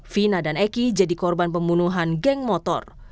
fina dan eki jadi korban pembunuhan geng motor